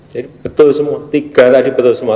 jadi betul semua tiga tadi betul semua